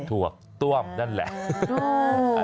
ถั่วต้วมนั่นแหละ